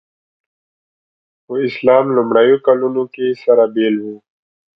په اسلام لومړیو کلونو کې سره بېل وو.